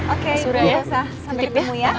oke biasa sampai ketemu ya